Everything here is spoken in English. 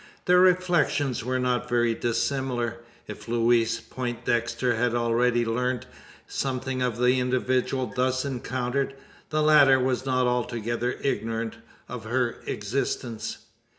Their reflections were not very dissimilar: if Louise Poindexter had already learnt something of the individual thus encountered, the latter was not altogether ignorant of her existence.